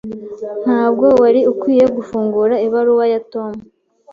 Ntabwo wari ukwiye gufungura ibaruwa ya Tom.